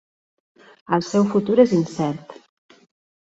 El seu futur és incert.